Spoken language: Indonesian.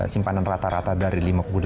simpanan rata rata dari